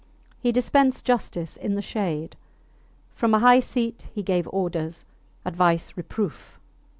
He dispensed justice in the shade; from a high seat he gave orders, advice, reproof.